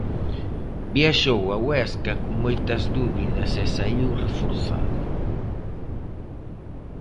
Viaxou a Huesca con moitas dúbidas e saíu reforzado.